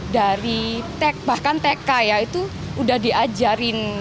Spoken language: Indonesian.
dari tek bahkan tek k ya itu sudah diajarin